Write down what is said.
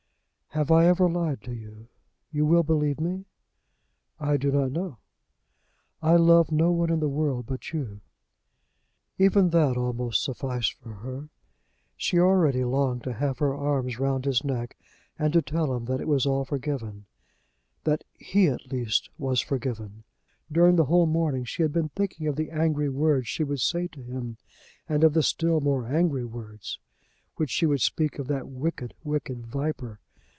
"Have I ever lied to you? You will believe me?" "I do not know." "I love no one in the world but you." Even that almost sufficed for her. She already longed to have her arms round his neck and to tell him that it was all forgiven; that he at least was forgiven. During the whole morning she had been thinking of the angry words she would say to him, and of the still more angry words which she would speak of that wicked, wicked viper.